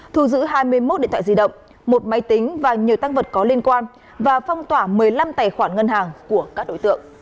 thu giữ hai mươi một điện thoại di động một máy tính và nhiều tăng vật có liên quan và phong tỏa một mươi năm tài khoản ngân hàng của các đối tượng